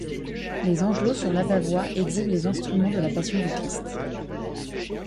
Les angelots sur l'abat-voix exhibent les instruments de la passion du Christ.